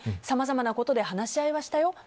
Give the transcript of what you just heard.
さまざまなことで話し合いはしたよ。